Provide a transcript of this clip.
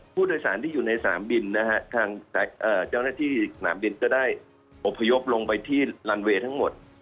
ผู้โดยสารที่อยู่ในสนามบินนะฮะทางเจ้าหน้าที่สนามบินก็ได้อบพยพลงไปที่ลันเวย์ทั้งหมด